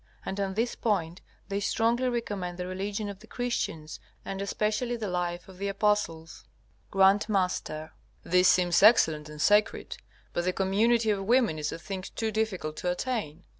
And on this point they strongly recommend the religion of the Christians, and especially the life of the apostles. G.M. This seems excellent and sacred, but the community of women is a thing too difficult to attain.